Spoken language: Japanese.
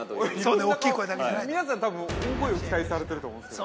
皆さん、多分、大声を期待されてると思うんですけど。